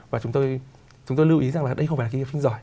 và chúng tôi lưu ý rằng là đây không phải là kỳ thi học sinh giỏi